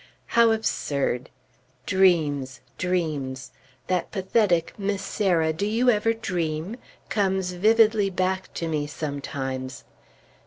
How absurd! Dreams! dreams! That pathetic "Miss Sarah, do you ever dream?" comes vividly back to me sometimes.